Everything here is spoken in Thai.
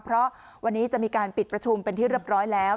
เพราะวันนี้จะมีการปิดประชุมเป็นที่เรียบร้อยแล้ว